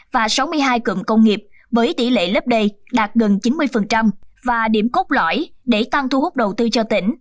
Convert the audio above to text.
và sáu mươi hai cụm công nghiệp với tỷ lệ lớp đầy đạt gần chín mươi và điểm cốt lõi để tăng thu hút đầu tư cho tỉnh